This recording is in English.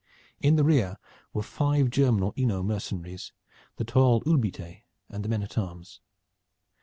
In the rear were five German or Hainault mercenaries, the tall Hulbitee, and the men at arms.